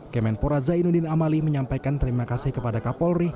kemenpora zainuddin amali menyampaikan terima kasih kepada kapolri